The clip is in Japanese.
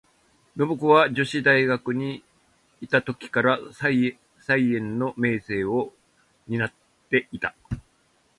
信子は女子大学にゐた時から、才媛の名声を担ってゐた。